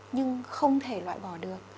nhưng không thể loại bỏ được